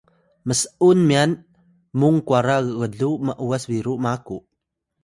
ms’un myan mung kwara gluw m’was biru maku